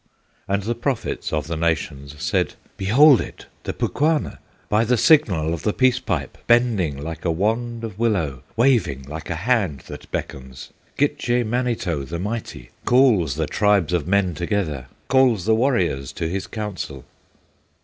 And the Prophets of the nations Said: "Behold it, the Pukwana! By the signal of the Peace Pipe, Bending like a wand of willow, Waving like a hand that beckons, Gitche Manito, the mighty, Calls the tribes of men together, Calls the warriors to his council!"